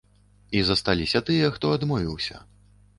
І засталіся тыя, хто адмовіўся.